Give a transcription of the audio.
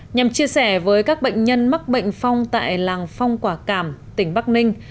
nhằm chia sẻ với các bệnh nhân mắc bệnh phong tại làng phong quả cảm tỉnh bắc ninh